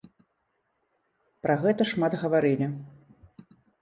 Пра гэта шмат гаварылі.